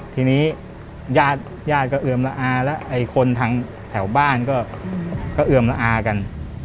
ทีนี้ญาติญาติก็เอือมละอาแล้วไอ้คนทางแถวบ้านก็เอือมละอากัน